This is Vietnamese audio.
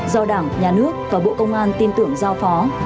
do đảng nhà nước và bộ công an tin tưởng giao phó